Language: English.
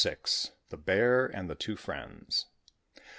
THE BEAR AND THE TWO FRIENDS.